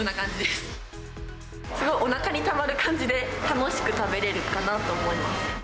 すごいおなかにたまる感じで、楽しく食べれるかなと思います。